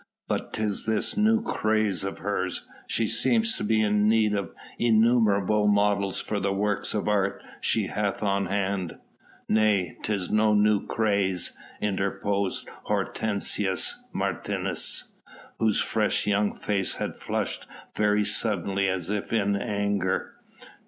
But 'tis this new craze of hers! She seems to be in need of innumerable models for the works of art she hath on hand." "Nay, 'tis no new craze," interposed Hortensius Martius, whose fresh young face had flushed very suddenly as if in anger.